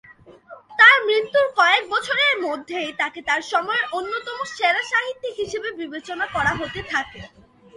তার মৃত্যুর কয়েক বছরের মধ্যেই তাকে তার সময়ের অন্যতম সেরা সাহিত্যিক হিসেবে বিবেচনা করা হতে থাকে।